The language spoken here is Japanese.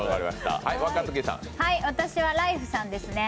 私はライフさんですね。